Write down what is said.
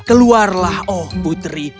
keluarlah oh putri